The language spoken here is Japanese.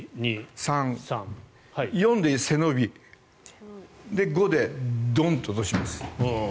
４で背伸び５でドンと落とします。